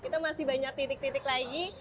kita masih banyak titik titik lagi